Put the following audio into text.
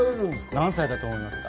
何歳だと思いますか？